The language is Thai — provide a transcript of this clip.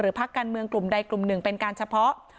พักการเมืองกลุ่มใดกลุ่มหนึ่งเป็นการเฉพาะ